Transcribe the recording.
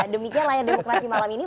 demikian layar demokrasi malam ini